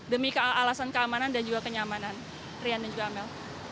demi alasan keamanan dan juga kenyamanan rian dan juga amel